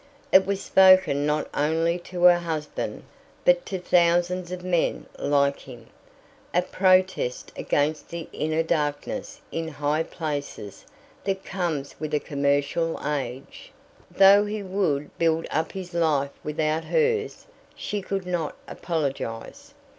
It was spoken not only to her husband, but to thousands of men like him a protest against the inner darkness in high places that comes with a commercial age. Though he would build up his life without hers, she could not apologize.